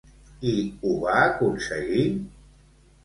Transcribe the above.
I ho va aconseguir?